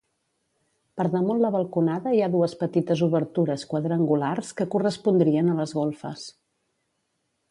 Per damunt la balconada hi ha dues petites obertures quadrangulars que correspondrien a les golfes.